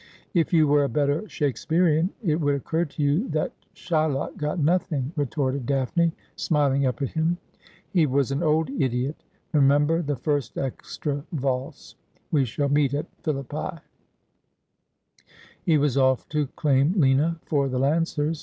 ' If you were a better Shakespearian it would occur to you that Shylock got nothing,' retorted Daphne, smiling up at him. ' He was an old idiot. Remember, the first extra valse. We shall meet at Philippi.' He was o£E to claim Lina for the Lancers.